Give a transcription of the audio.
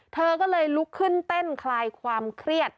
เธอก็เลยลุกขึ้นเต้นคลายความเครียด